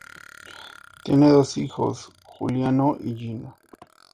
Tiene dos hijos: Giuliano y Gina.